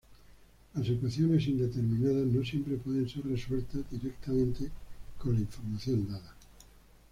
Las ecuaciones indeterminadas no siempre pueden ser resueltas directamente con la información dada.